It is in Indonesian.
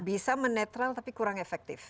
bisa menetral tapi kurang efektif